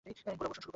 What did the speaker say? গোলাবর্ষণ শুরু কর!